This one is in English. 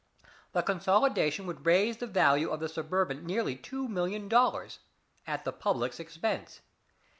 The consolidation would raise the value of the Suburban nearly two million dollars at the public's expense.